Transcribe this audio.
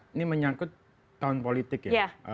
ini menyangkut tahun politik ya